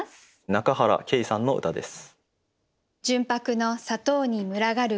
仲原佳さんの歌です。